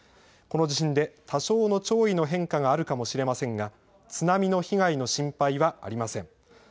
この地震で多少の潮位の変化があるかもしれませんが津波の被害の心配はありません。